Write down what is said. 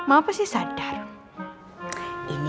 agar buat lancar asin